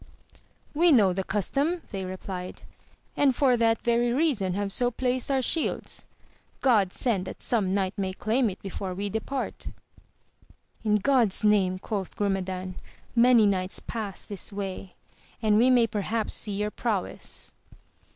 We know the custom they replied, and for that very reason have so placed our shields ; God send that some knight may claim it before we depart ! In God's name, quoth Grumedan, many knights pass this way, and we may perhaps see your prowess.